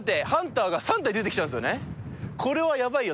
これはヤバいよ。